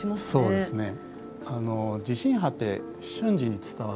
そうですね。